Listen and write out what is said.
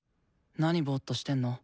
なにぼっとしてんの？